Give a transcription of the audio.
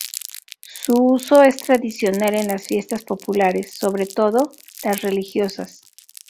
Su uso es tradicional en las fiestas populares, sobre todo las religiosas.